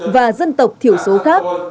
và dân tộc thiểu số khác